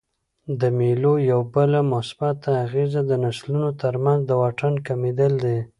د مېلو یوه بله مثبته اغېزه د نسلونو ترمنځ د واټن کمېدل دي.